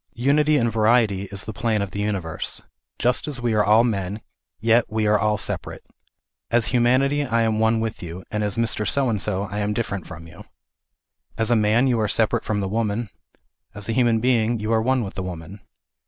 Unity in variety is the plan of the universe. Just as we are all men, yet we are all separate. As humanity I am one with you, and as Mr. So and so I am different from you. As a man you are separate from the woman ; as a hu man being you are one with the woman.